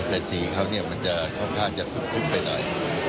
แต่สีเขาเนี่ยมันจะค่อนข้างจะตุ๊บไปหน่อย